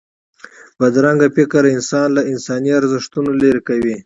بدرنګه فکر انسان له انساني ارزښتونو لرې کوي